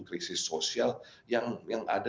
krisis sosial yang ada